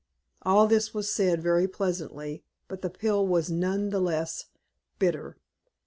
All this was said very pleasantly, but the pill was none the less bitter.